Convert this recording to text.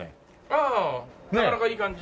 ああなかなかいい感じ。